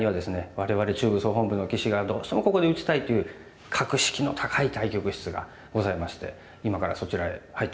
我々中部総本部の棋士がどうしてもここで打ちたいという格式の高い対局室がございまして今からそちらへ入ってみたいと思います。